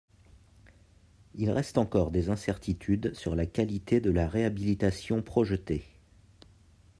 Il reste encore des incertitudes sur la qualité de la réhabilitation projetée.